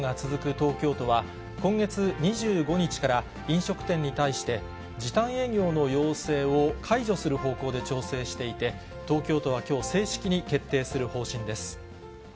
東京都は、今月２５日から、飲食店に対して、時短営業の要請を解除する方向で調整していて、東京都はきょう、正式に決定する方針です。